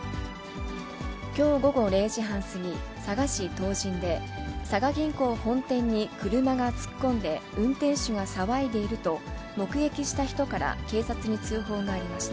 きょう午後０時半過ぎ、佐賀市唐人で、佐賀銀行本店に車が突っ込んで、運転手が騒いでいると、目撃した人から警察に通報がありました。